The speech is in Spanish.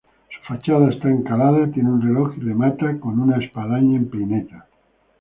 Su fachada está encalada, tiene un reloj y remata con una espadaña en peineta.